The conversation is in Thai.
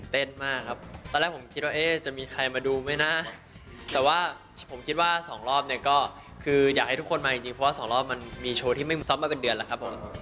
มากครับตอนแรกผมคิดว่าเอ๊ะจะมีใครมาดูไหมนะแต่ว่าผมคิดว่าสองรอบเนี่ยก็คืออยากให้ทุกคนมาจริงเพราะว่าสองรอบมันมีโชว์ที่ไม่มีซ้อมมาเป็นเดือนแล้วครับผม